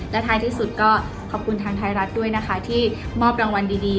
และท้ายที่สุดก็ขอบคุณทางไทยรัฐด้วยนะคะที่มอบรางวัลดี